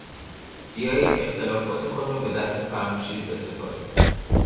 بیایید اختلافات خود را به دست فراموشی بسپاریم.